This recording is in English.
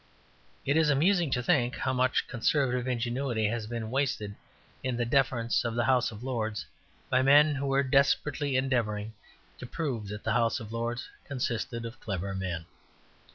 It is amusing to think how much conservative ingenuity has been wasted in the defence of the House of Lords by men who were desperately endeavouring to prove that the House of Lords consisted of clever men.